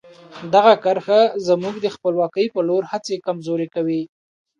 دغه کرښه زموږ د خپلواکۍ په لور هڅې کمزوري کوي.